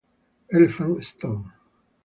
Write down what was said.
Elephant Stone